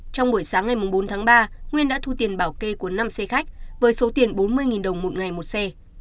trong buổi sáng ngày bốn tháng ba nguyên đã thu tiền bảo kê của năm xe khách với số tiền bốn mươi đồng một ngày một xe